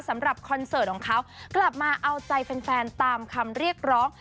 คอนเสิร์ตของเขากลับมาเอาใจแฟนตามคำเรียกร้อง